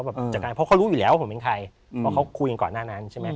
เพราะเขารู้อยู่แล้วว่าผมเป็นใคร